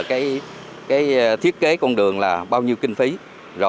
sẽ làm tốt cho con đường trưởng lộc diện sích